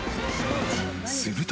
［すると］